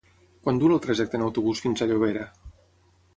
Quant dura el trajecte en autobús fins a Llobera?